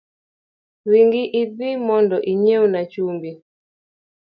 Ringi idhi mondo inyiewna chumbi.